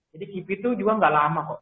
jadi kipi itu juga gak lama kok